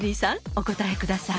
お答えください